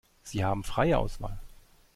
Sie haben freie Auswahl.